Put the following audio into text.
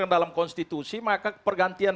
dalam konstitusi maka pergantian